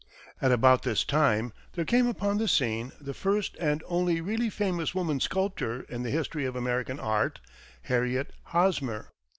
At about this time, there came upon the scene the first and only really famous woman sculptor in the history of American art, Harriet Hosmer.